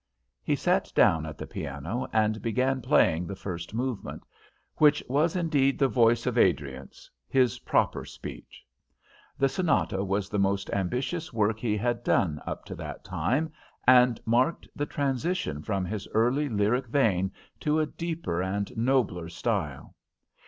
He sat down at the piano and began playing the first movement, which was indeed the voice of Adriance, his proper speech. The sonata was the most ambitious work he had done up to that time, and marked the transition from his early lyric vein to a deeper and nobler style.